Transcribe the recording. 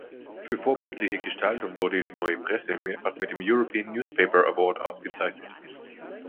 Für vorbildliche Gestaltung wurde die Neue Presse mehrfach mit dem European Newspaper Award ausgezeichnet.